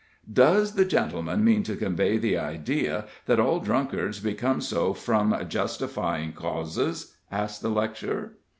"Does the gentleman mean to convey the idea that all drunkards become so from justifying causes?" asked the lecturer.